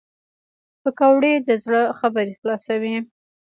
پکورې د زړه خبرې خلاصوي